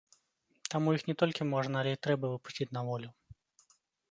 Таму іх не толькі можна, але і трэба выпусціць на волю.